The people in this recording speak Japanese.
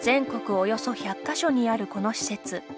およそ１００か所にあるこの施設。